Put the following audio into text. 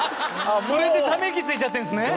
柴田：それでため息ついちゃってるんですね。